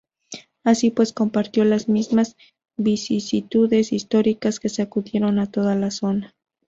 Así pues compartió las mismas vicisitudes históricas que sacudieron a toda la zona.